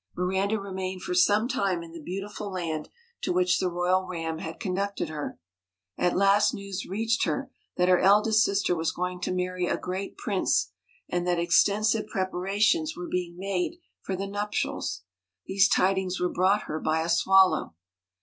Miranda remained for some time in the beautiful land to which the royal Ram had conducted her. At last news reached her that her eldest sister was going to marry a great prince, and that extensive preparations were being made for the nuptials. These tidings were brought her by a swallow.